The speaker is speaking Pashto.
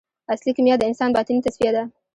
اصلي کیمیا د انسان باطني تصفیه ده.